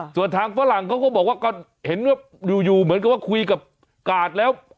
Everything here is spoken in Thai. ส่วนทางฝรั่งเขาก็บอกว่าก็เห็นว่าอยู่เหมือนกับว่าคุยกับกาดแล้ว